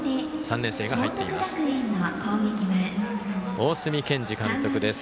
大角健二監督です。